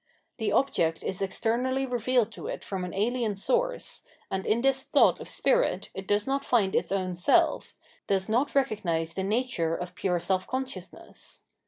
The object is externally revealed to it from an alien source, and in this thought of Spirit it does not find its own self, does 780 Phmommdogy of Mind not recognise the nature of pure self consciousness.